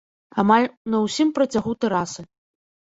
Амаль на ўсім працягу тэрасы.